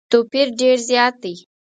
توپیر ډېر زیات دی.